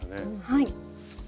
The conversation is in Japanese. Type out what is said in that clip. はい。